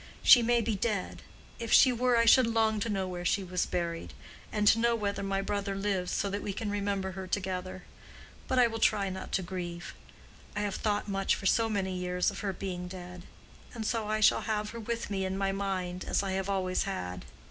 She may be dead. If she were I should long to know where she was buried; and to know whether my brother lives, to say Kaddish in memory of her. But I will try not to grieve. I have thought much for so many years of her being dead. And I shall have her with me in my mind, as I have always had.